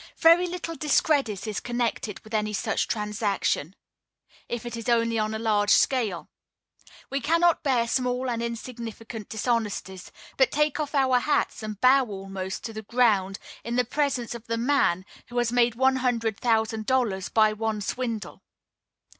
Very little discredit is connected with any such transaction, if it is only on a large scale. We cannot bear small and insignificant dishonesties, but take off our hats and bow almost to the ground in the presence of the man who has made one hundred thousand dollars by one swindle.